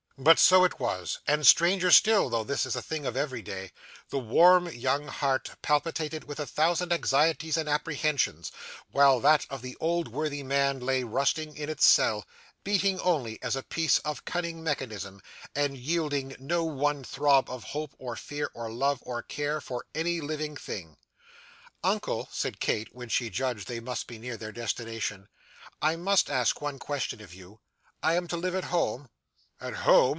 But so it was; and stranger still though this is a thing of every day the warm young heart palpitated with a thousand anxieties and apprehensions, while that of the old worldly man lay rusting in its cell, beating only as a piece of cunning mechanism, and yielding no one throb of hope, or fear, or love, or care, for any living thing. 'Uncle,' said Kate, when she judged they must be near their destination, 'I must ask one question of you. I am to live at home?' 'At home!